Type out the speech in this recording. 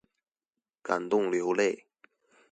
感動流淚